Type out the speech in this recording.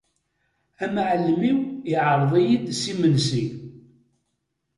Amɛellem-iw iɛreḍ-iyi-d s imensi.